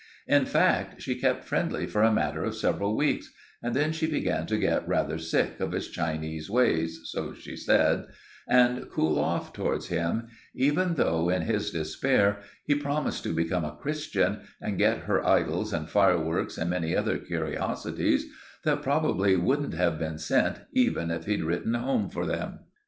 In fact, she kept friendly for a matter of several weeks; and then she began to get rather sick of his Chinese ways—so she said—and cool off towards him, even though in his despair he promised to become a Christian and get her idols and fireworks and many other curiosities that probably wouldn't have been sent even if he'd written home for them.